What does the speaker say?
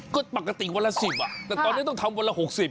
ก็ปกติวันละสิบอะครับแต่ตอนนี้ต้องทำวันละหกสิบ